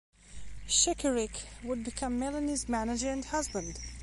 Schekeryk would become Melanie's manager and husband.